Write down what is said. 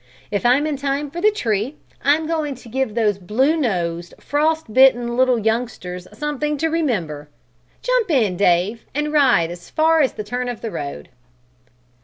If I'm in time for the tree, I'm going to give those blue nosed, frost bitten little youngsters something to remember! Jump in, Dave, and ride as far as the turn of the road."